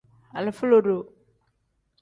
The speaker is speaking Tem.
Alifa lube.